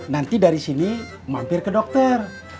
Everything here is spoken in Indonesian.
nanti dari sini mampir ke dokter